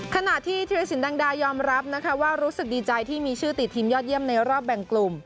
ขณะที่ธีรสินดังดายอมรับนะคะว่ารู้สึกดีใจที่มีชื่อติดทีมยอดเยี่ยมในรอบแบ่งกลุ่ม